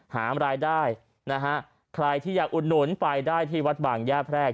หาอำรายได้ใครที่อยากอุดหนุนไปได้ที่วัดบ่างแย่แพร่ก